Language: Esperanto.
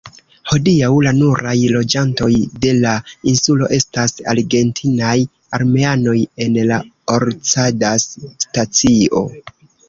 Hodiaŭ la nuraj loĝantoj de la insulo estas argentinaj armeanoj en la Orcadas-stacio.